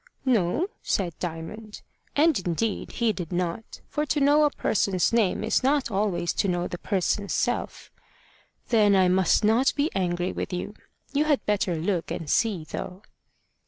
"No," said Diamond. And indeed he did not. For to know a person's name is not always to know the person's self. "Then I must not be angry with you. You had better look and see, though."